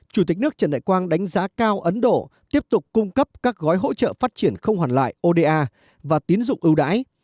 một mươi năm chủ tịch nước trần đại quang đánh giá cao ấn độ tiếp tục cung cấp các gói hỗ trợ phát triển không hoàn lại oda và tín dụng ưu đãi